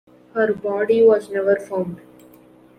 Her body was never found.